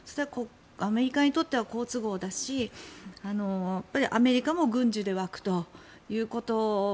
アメリカにとっては好都合だしアメリカも軍需で沸くということ。